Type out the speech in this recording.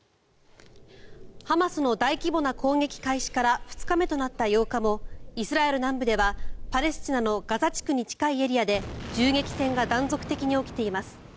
ハマスの大規模な攻撃開始から２日目となった８日もイスラエル南部ではパレスチナのガザ地区に近いエリアで銃撃戦が断続的に起きています。